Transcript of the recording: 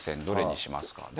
どれにしますか？